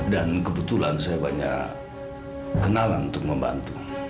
dan kebetulan saya banyak kenalan untuk membantu